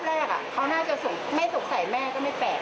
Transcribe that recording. แรกเขาน่าจะไม่สงสัยแม่ก็ไม่แปลก